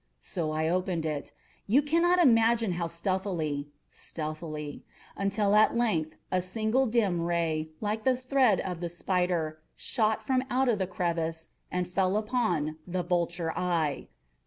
So I opened it—you cannot imagine how stealthily, stealthily—until, at length a simple dim ray, like the thread of the spider, shot from out the crevice and fell full upon the vulture eye.